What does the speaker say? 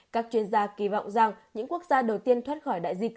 các chuyên gia kỳ vọng rằng những quốc gia đầu tiên thoát khỏi đại dịch